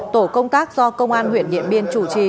tổ công tác do công an huyện điện biên chủ trì